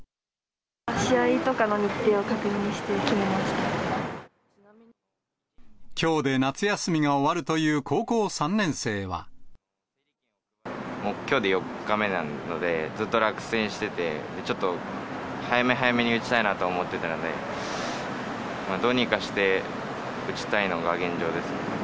試合とかの日程を確認して決きょうで夏休みが終わるといきょうで４日目なので、ずっと落選してて、ちょっと早め早めに打ちたいなと思ってたので、どうにかして打ちたいのが現状ですね。